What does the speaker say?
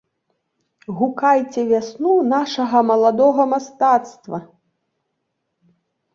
Гукайце вясну нашага маладога мастацтва!